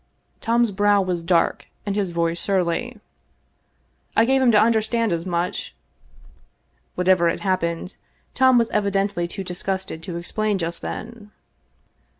Tom's brow was dark and his voice surly. " I gave him to understand as much." What ever had happened, Tom was evidently too disgusted to explain just then.